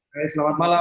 hai selamat malam